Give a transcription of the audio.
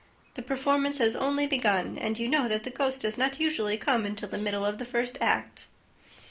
"The performance has only begun and you know that the ghost does not usually come until the middle of the first act."